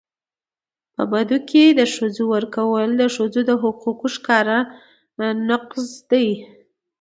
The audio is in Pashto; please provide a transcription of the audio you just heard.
په بدو کي د ښځو ورکول د ښځو د حقونو ښکاره نقض دی.